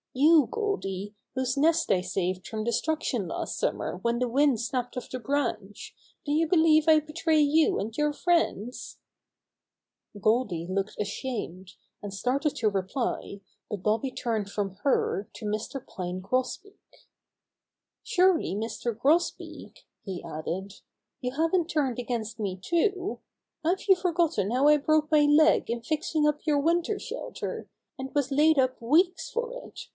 You, Goldy, whose nest I saved from destruction last summer when the wind snapped off the branch, do you believe Fd betray you and your friends?" 116 Bobby Gray Squirrel's Adventures Goldy looked ashamed, and started to reply, but Bobby turned from her to Mr. Pine Gros beak. "Surely, Mr. Grosbeak," he added, "you haven't turned against me, too! Hare you forgotten how I broke my leg in fixing up your winter shelter, and was laid up weeks for it?